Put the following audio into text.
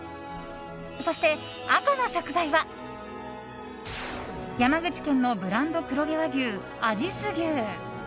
そして紅の食材は山口県のブランド黒毛和牛阿知須牛。